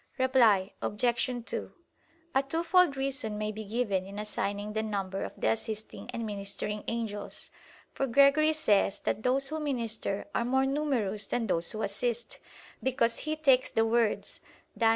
Reply Obj. 2: A twofold reason may be given in assigning the number of the assisting and ministering angels. For Gregory says that those who minister are more numerous than those who assist; because he takes the words (Dan.